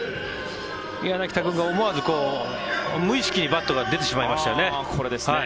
柳田君が思わず無意識にバットが出てしまいましたよね。